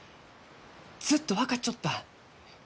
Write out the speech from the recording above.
ずっと分かっちょった！